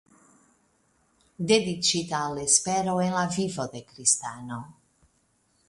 Dediĉita al espero en la vivo de kristano.